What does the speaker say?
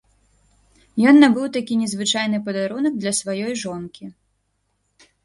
Ён набыў такі незвычайны падарунак для сваёй жонкі.